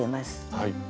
はい。